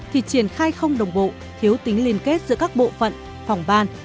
thì triển khai không đồng bộ thiếu tính liên kết giữa các bộ phận phòng ban